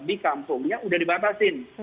di kampungnya sudah dibatasi